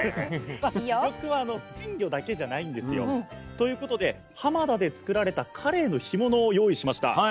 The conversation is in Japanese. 魅力は鮮魚だけじゃないんですよ。ということで浜田で作られたカレイの干物を用意しました。